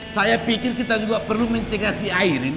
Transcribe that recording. saya pikir kita juga perlu mencegah si airin